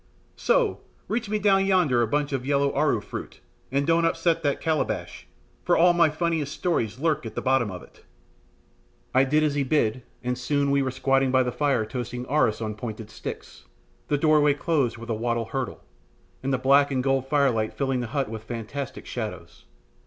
So! reach me down yonder bunch of yellow aru fruit, and don't upset that calabash, for all my funniest stories lurk at the bottom of it." I did as he bid, and soon we were squatting by the fire toasting arus on pointed sticks, the doorway closed with a wattle hurdle, and the black and gold firelight filling the hut with fantastic shadows.